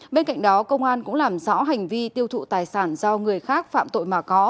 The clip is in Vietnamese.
bên cạnh đó công an cũng làm rõ hành vi tiêu thụ tài sản do người khác phạm tội mà có